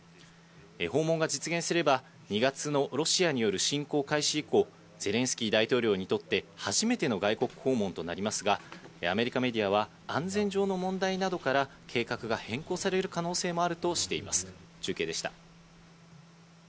訪問が実現すれば、２月のロシアによる侵攻開始以降、ゼレンスキー大統領にとって初めての外国訪問となりますが、アメリカメディアは安全上の問題などから、計画が変更される可能性もあるとしています、中継でした。